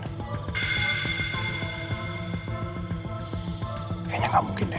kayaknya gak mungkin deh